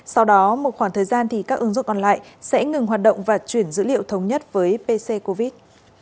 sau đó một khoảng thời gian thì các ứng dụng còn lại sẽ ngừng hoạt động và chuyển dữ liệu thống nhất với pc covid